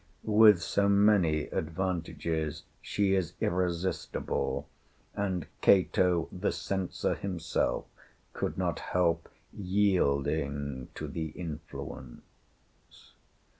With so many advantages, she is irresistible, and Cato the Censor himself could not help yielding to the influence.